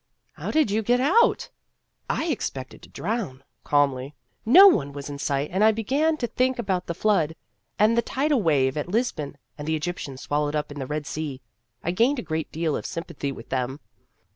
" How did you get out ?"" I expected to drown," calmly ; "no one was in sight, and I began to think about the flood, and the tidal wave at Lisbon, and the Egyptians swallowed up in the Red Sea. I gained a great deal of sympathy with them."